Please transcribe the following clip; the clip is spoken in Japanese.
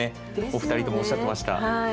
お二人ともおっしゃってました。